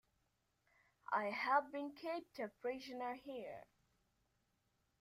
I have been kept a prisoner here.